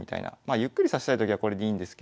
ゆっくり指したいときはこれでいいんですけど。